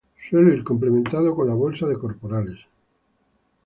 Suele ir complementado con la bolsa de corporales.